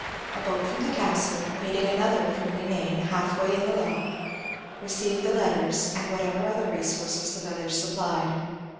A boat from the Castle, meeting another from Leenane, half way in the lough, received the letters and whatever other resources the village supplied.